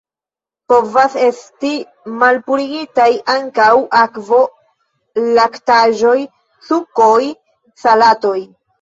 Povas esti malpurigitaj ankaŭ akvo, laktaĵoj, sukoj, salatoj.